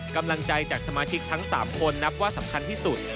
กำลังใจจากสมาชิกทั้ง๓คนนับว่าสำคัญที่สุด